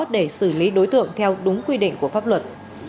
để xử lý đối tượng theo đúng quy định của pháp luật